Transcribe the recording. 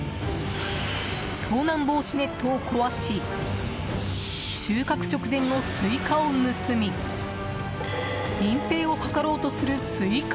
盗難防止ネットを壊し収穫直前のスイカを盗み隠ぺいを図ろうとするスイカ